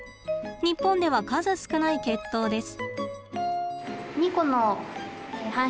日本では数少ない血統です。